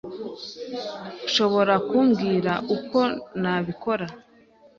Ushobora kumbwira uko nabikora?